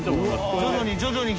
徐々に徐々に左。